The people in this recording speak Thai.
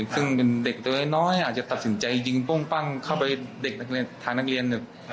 ซึ่งเป็นเด็กตัวน้อยอาจจะตัดสินใจยิงโป้งปั้งเข้าไปเด็กนักเรียนทางนักเรียน